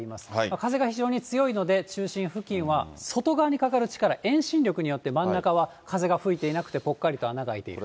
風が非常に強いので、中心付近は外側にかかる力、遠心力によって真ん中は風が吹いていなくて、ぽっかりと穴が開いている。